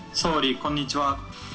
こんにちは。